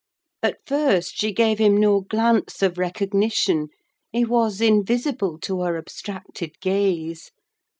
At first she gave him no glance of recognition: he was invisible to her abstracted gaze.